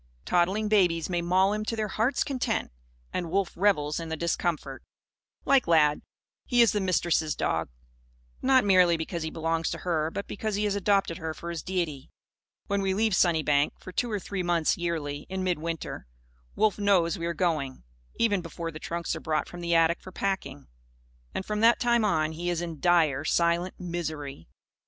Toddling babies may maul him to their hearts' content; and Wolf revels in the discomfort. Like Lad, he is the Mistress' dog. Not merely because he belongs to her; but because he has adopted her for his deity. When we leave Sunnybank, for two or three months, yearly, in midwinter, Wolf knows we are going; even before the trunks are brought from the attic for packing. And, from that time on, he is in dire, silent misery.